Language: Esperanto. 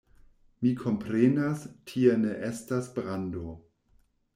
Mi komprenas, tie ne estas brando.